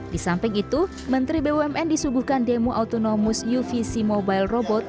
di samping itu menteri bumn disuguhkan demo autonomus uvc mobile robot